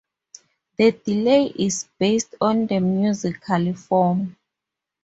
The delay is based on the musical form.